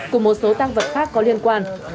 cùng một số tăng vật khác có liên quan